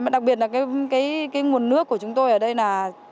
đặc biệt là cái nguồn nước của chúng tôi ở đây là